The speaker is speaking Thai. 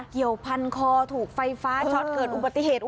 เกี่ยวพันคอถูกไฟฟ้าช็อตเกิดอุบัติเหตุ